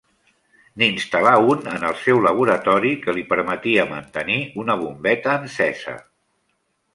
N'instal·là un en el seu laboratori que li permetia mantenir una bombeta encesa.